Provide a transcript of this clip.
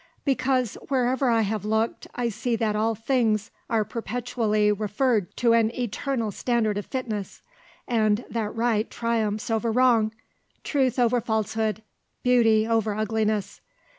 "Because, wherever I have looked, I see that all things are perpetually referred to an eternal standard of fitness, and that right triumphs over wrong, truth over falsehood, beauty over ugliness.